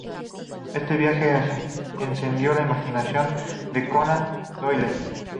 Este viaje encendió la imaginación de Conan Doyle.